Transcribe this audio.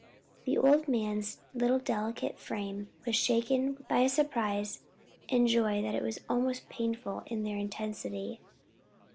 The old man's little delicate frame was shaken by a surprise and joy that was almost painful in their intensity.